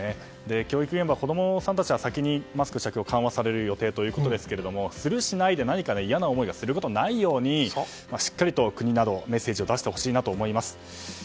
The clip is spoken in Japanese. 教育現場、子供さんたちは先にマスク着用を緩和する予定だそうですがする、しないで嫌な思いをすることがないようにしっかりと国などがメッセージを出してほしいと思います。